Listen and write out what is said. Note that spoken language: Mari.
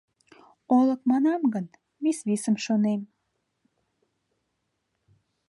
«Олык манам гын, вис-висым шонем...»